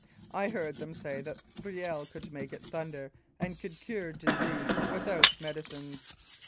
I heard them say that Riel could make it thunder and could cure disease without medicines.